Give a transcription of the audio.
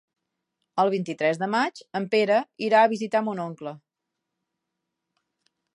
El vint-i-tres de maig en Pere irà a visitar mon oncle.